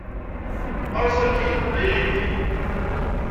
Erẓ akkin, a aydi!